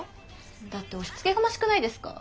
だって押しつけがましくないですか？